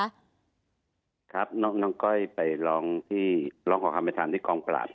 ครับน้องก้อยไปร้องความเป็นธรรมที่กองปราบ